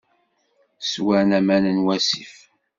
Swan aman n wasif.